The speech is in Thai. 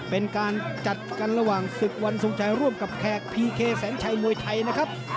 เป็นการจัดกันระหว่างศึกวันทรงชัยร่วมกับแขกพีเคแสนชัยมวยไทยนะครับ